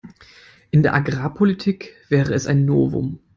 In der Agrarpolitik wäre es ein Novum.